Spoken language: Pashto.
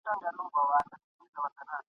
د ښار خلکو وو سل ځله آزمېیلی ..